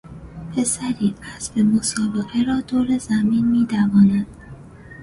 پسری اسب مسابقه را دور زمین میدواند.